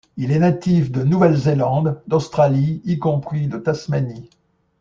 Il est natif de Nouvelle-Zélande, d'Australie y compris de Tasmanie.